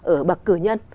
ở bậc cử nhân